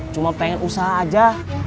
cuma pengen usaha aja